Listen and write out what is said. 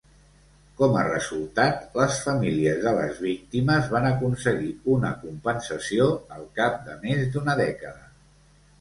Com a resultat, les famílies de les víctimes van aconseguir una compensació al cap de més d'una dècada.